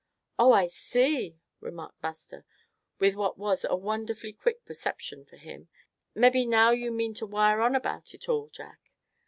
"Oh! I see," remarked Buster, with what was a wonderfully quick perception, for him, "mebbe now you mean to wire on about it all, Jack."